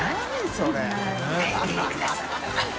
それ。